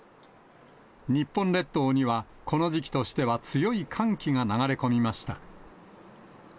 日本列島には、この時期としては強い寒気が流れ込みました。